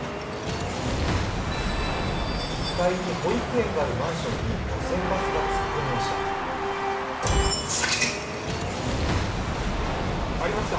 １階に保育園があるマンションに路線バスが突っ込みました。